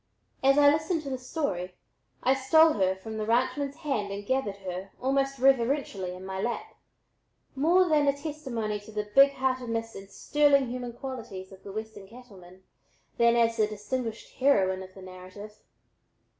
As I listened to the story, I stole her from the ranchman's hand and gathered her, almost reverently, in my lap, more then as a testimony to the big heartedness and sterling human qualities of the Western cattlemen, than as the distinguished heroine of the narrative.